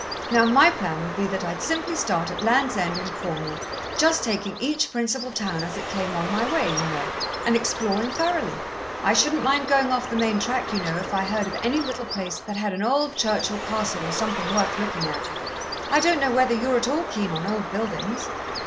Now, my plan would be that I'd simply start at Land's End, in Cornwall, just taking each principal town as it came on my way, you know, and exploring thoroughly. I shouldn't mind going off the main track, you know, if I heard of any little place that had an old church or castle or something worth looking at. I don't know whether you're at all keen on old buildings?"